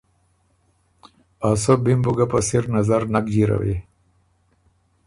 ا سۀ ا بی م بُو ګۀ په سِر نظر نک جیروی۔